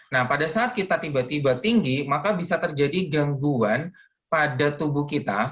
nah pada saat kita tiba tiba tinggi maka bisa terjadi gangguan pada tubuh kita